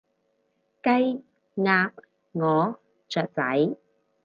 雞，鴨，鵝，雀仔